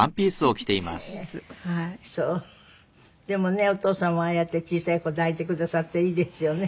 でもねお父様ああやって小さい子抱いてくださっていいですよね。